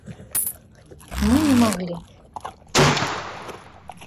Мы не могли.